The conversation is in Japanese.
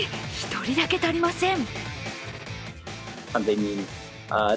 １人だけ足りません。